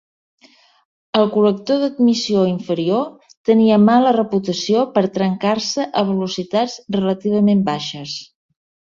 El col·lector d'admissió inferior tenia mala reputació per trencar-se a velocitats relativament baixes.